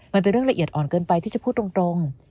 มันเป็นเรื่องละเอียดอ่อนเกินไปที่จะพูดตรง